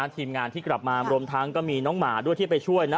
ทีมงานที่กลับมารวมทั้งก็มีน้องหมาด้วยที่ไปช่วยนะ